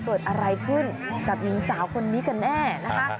เกิดอะไรขึ้นกับหญิงสาวคนนี้กันแน่นะคะ